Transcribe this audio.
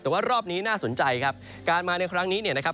แต่ว่ารอบนี้น่าสนใจครับการมาในครั้งนี้เนี่ยนะครับ